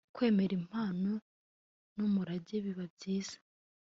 kwemera impano n umurage biba byiza